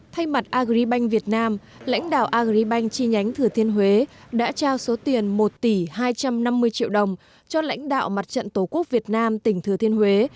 thay mặt agribank việt nam lãnh đạo agribank chi nhánh thừa thiên huế đã trao số tiền một tỷ hai trăm năm mươi triệu đồng cho lãnh đạo mặt trận tổ quốc việt nam tỉnh thừa thiên huế